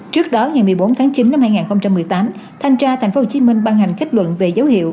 trước đó ngày một mươi bốn tháng chín năm hai nghìn một mươi tám thanh tra thành phố hồ chí minh ban hành kết luận về dấu hiệu